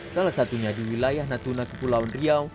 salah satunya di wilayah natuna kepulauan riau